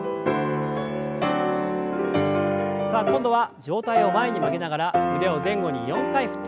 さあ今度は上体を前に曲げながら腕を前後に４回振って。